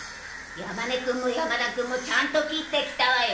山根君も山田君もちゃんと切ってきたわよ。